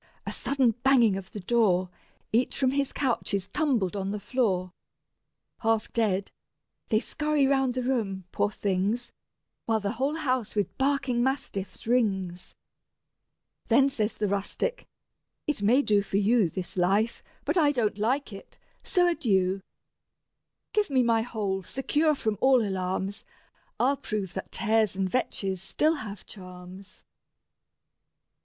a sudden banging of the door: Each from his couch is tumbled on the floor: Half dead, they scurry round the room, poor things, While the whole house with barking mastiffs rings. Then says the rustic: "It may do for you, This life, but I don't like it; so adieu: Give me my hole, secure from all alarms, I'll prove that tares and vetches still have charms."